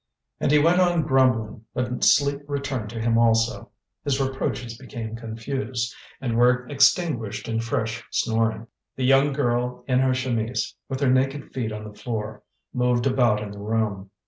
And he went on grumbling, but sleep returned to him also. His reproaches became confused, and were extinguished in fresh snoring. The young girl, in her chemise, with her naked feet on the floor, moved about in the room.